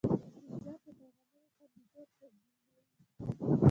مسېنجر د پیغامونو خوندیتوب تضمینوي.